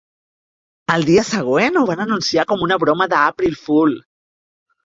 Al dia següent, ho van anunciar com una broma d'April Fool.